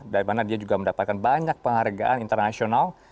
dari mana dia juga mendapatkan banyak penghargaan internasional